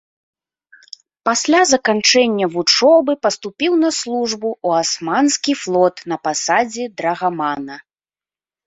Пасля заканчэння вучобы паступіў на службу ў асманскі флот на пасадзе драгамана.